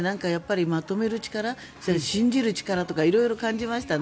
まとめる力信じる力とか色々感じましたね。